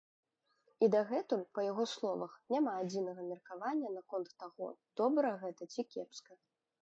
І дагэтуль, па яго словах, няма адзінага меркавання наконт таго, добра гэта ці кепска.